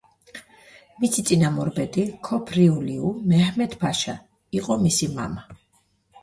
მისი წინამორბედი, ქოფრიულიუ მეჰმედ-ფაშა, იყო მისი მამა.